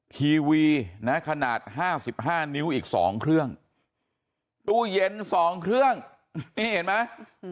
ทีวีนะขนาดห้าสิบห้านิ้วอีก๒เครื่องตู้เย็น๒เครื่องนี่เห็นไหม